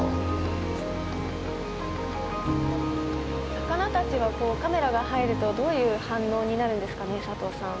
魚たちはカメラが入るとどういう反応になるんですかね佐藤さん。